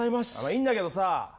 いいんだけどさ。